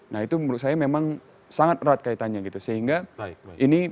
nah itu menurut saya memang sangat erat kaitannya gitu sehingga ini